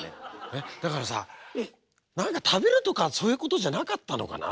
えっだからさ何か食べるとかそういうことじゃなかったのかな？